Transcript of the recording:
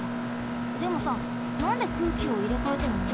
でもさなんで空気をいれかえてるの？